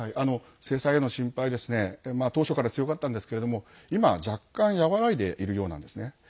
制裁への心配当初から強かったんですけれども今、若干和らいでいるようなんですね。